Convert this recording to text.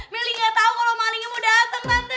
meli gak tau kalo malingnya mau dateng tante